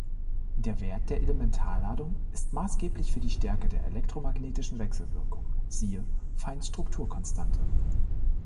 Der Wert der Elementarladung ist maßgeblich für die Stärke der elektromagnetischen Wechselwirkung, siehe Feinstrukturkonstante.